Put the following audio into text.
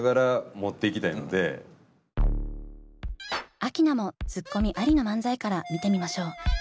アキナもツッコミありの漫才から見てみましょう。